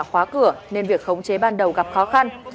khóa cửa nên việc khống chế ban đầu gặp khó khăn